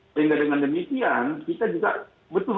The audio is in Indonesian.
sehingga dengan demikian kita juga betul betul serius begitu loh